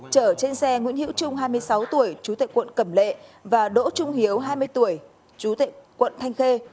chở trên xe nguyễn hữu trung hai mươi sáu tuổi chú tệ quận cẩm lệ và đỗ trung hiếu hai mươi tuổi chú tệ quận thanh khê